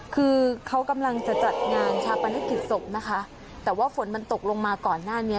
คือเขากำลังจะจัดงานชาปนกิจศพนะคะแต่ว่าฝนมันตกลงมาก่อนหน้านี้